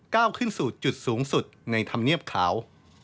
ก้าวขึ้นสู่จุดสูงสุดในธรรมเนียบเขา